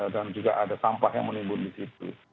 dan juga ada sampah yang menimbul di situ